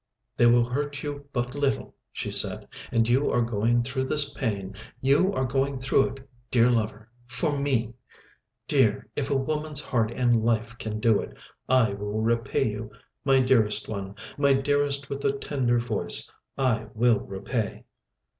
"They will hurt you but little," she said; "and you are going through this pain, you are going through it, dear lover, for me .... Dear, if a woman's heart and life can do it, I will repay you. My dearest one, my dearest with the tender voice, I will repay."